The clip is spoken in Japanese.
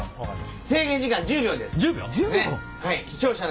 制限時間１０秒です。